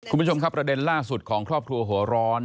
คุณผู้ชมครับประเด็นล่าสุดของครอบครัวหัวร้อน